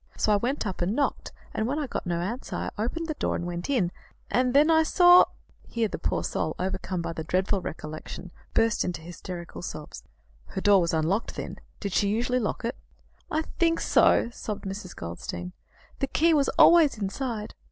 So I went up and knocked, and when I got no answer, I opened the door and went in, and then I saw " Here the poor soul, overcome by the dreadful recollection, burst into hysterical sobs. "Her door was unlocked, then; did she usually lock it?" "I think so," sobbed Mrs. Goldstein. "The key was always inside."